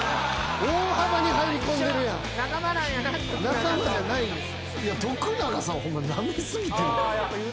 仲間じゃないんです。